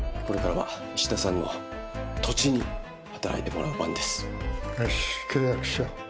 これからは石田さんの土地に働いてもらう番です。